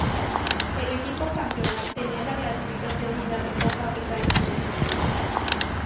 El equipo campeón obtenía la clasificación a la Recopa Africana.